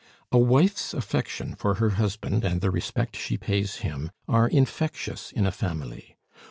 A wife's affection for her husband and the respect she pays him are infectious in a family.